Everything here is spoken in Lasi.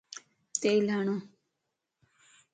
تيل ھڻ